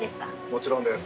もちろんです。